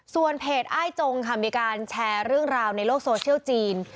ส่วนเพจอ้ายจงค่ะมีการแชร์เรื่องราวในโลกโซเชียลจีน